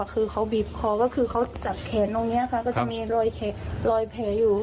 คือเขาบีบคอก็คือเขาจับแขนตรงนี้ค่ะก็จะมีรอยแผลอยู่